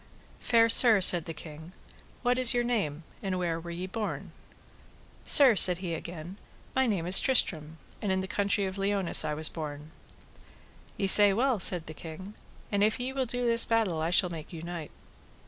Fair sir, said the king, what is your name, and where were ye born? Sir, said he again, my name is Tristram, and in the country of Liones was I born. Ye say well, said the king; and if ye will do this battle I shall make you knight.